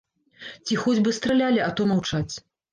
Ці хоць бы стралялі, а то маўчаць.